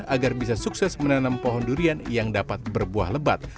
agar bisa sukses menanam pohon durian yang dapat berbuah lebat